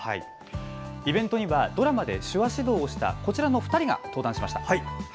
イベントにはドラマで手話指導をしたこちらの２人が登壇しました。